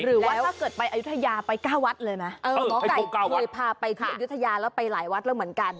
หรือว่าถ้าเกิดไปอายุทยาไป๙วัดเลยนะหมอไก่เคยพาไปที่อายุทยาแล้วไปหลายวัดแล้วเหมือนกัน